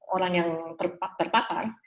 orang yang terpapar